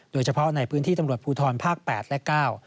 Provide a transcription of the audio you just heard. โดยเฉพาะในพื้นที่ตำรวจภูทรภาคแปดและเก้า